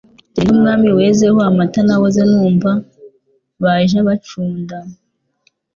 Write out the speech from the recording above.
Turi n' Umwami wezeho amata Nahoze numva abaja bacunda,